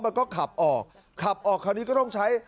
มันก็ขับออกขับออกคราวนี้ก็ต้องใช้